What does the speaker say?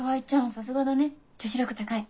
さすがだね女子力高い。